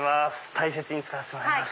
大切に使わせてもらいます。